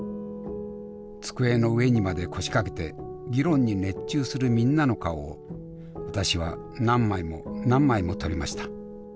机の上にまで腰掛けて議論に熱中するみんなの顔を私は何枚も何枚も撮りました。